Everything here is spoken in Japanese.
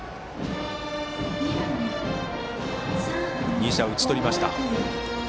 ２者、打ち取りました。